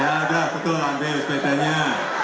ya udah betul ambil sepedanya